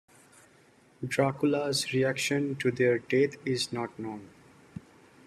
Dracula's reaction to their deaths is not known.